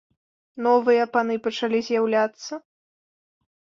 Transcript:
Новыя паны пачалі з'яўляцца.